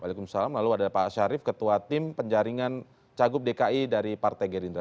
waalaikumsalam lalu ada pak syarif ketua tim penjaringan cagup dki dari partai gerindra